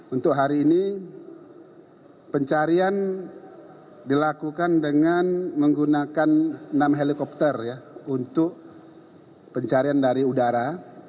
untuk hari ini pencarian dilakukan dengan menggunakan enam helikopter untuk pencarian dari udara